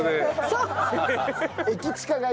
そう。